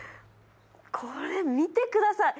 これ見てください。